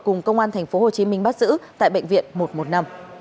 cùng công an tp hcm bắt giữ tại bệnh viện một trăm một mươi năm